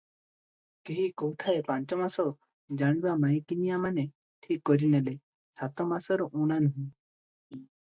କେହି କହୁଥାଏ ପାଞ୍ଚ ମାସ, ଜାଣିବା ମାଇକିନିଆମାନେ ଠିକ କରିନେଲେ, ସାତ ମାସରୁ ଊଣା ନୁହେ ।